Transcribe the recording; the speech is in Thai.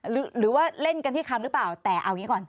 หรือว่าเล่นกันที่คำหรือเปล่าแต่เอาอย่างนี้ก่อน